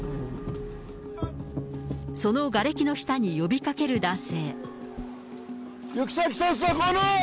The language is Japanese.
そのがれきの下に呼びかける男性。